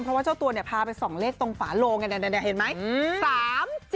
เพราะว่าเจ้าตัวเนี่ยพาไปส่องเลขตรงฝาโลงกันเห็นไหม